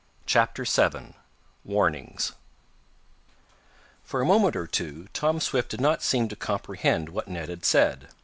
CHAPTER VII WARNINGS For a moment or two Tom Swift did not seem to comprehend what Ned had said.